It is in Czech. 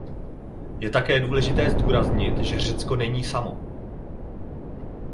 Je také důležité zdůraznit, že Řecko není samo.